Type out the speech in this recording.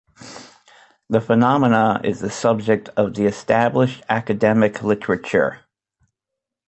The phenomenon is the subject of established academic literature.